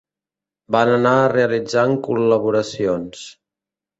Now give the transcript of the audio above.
Van anar realitzant col·laboracions.